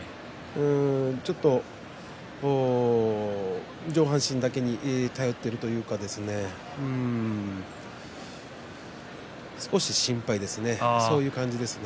ちょっと上半身だけに頼っているというかですね少し心配ですねそういう感じですね。